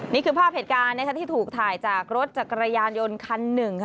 นี่คือภาพเหตุการณ์ที่ถูกถ่ายจากรถจักรยานยนต์คันหนึ่ง